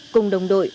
cùng đồng đội